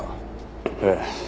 ええ。